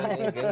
ini balik kanan